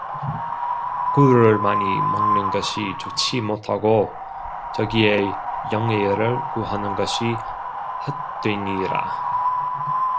꿀을 많이 먹는 것이 좋지 못하고 자기의 영예를 구하는 것이 헛되니라